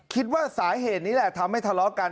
คิดว่าสาเหตุนี้แหละทำให้ทะเลาะกัน